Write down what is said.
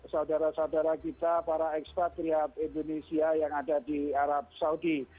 saudara saudara kita para ekspatriat indonesia yang ada di arab saudi